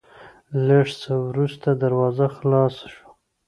لېږ څه ورورسته دروازه خلاصه شوه،